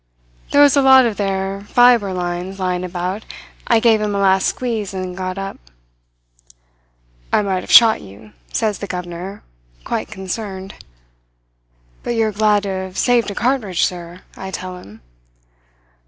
"There was a lot of their fibre lines lying about. I gave him a last squeeze and then got up. "'I might have shot you,' says the governor, quite concerned. "'But you are glad to have saved a cartridge, sir,' I tell him.